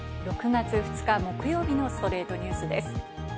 ６月２日、木曜日の『ストレイトニュース』です。